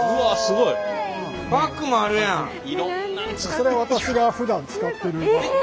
それ私がふだん使ってるバッグ。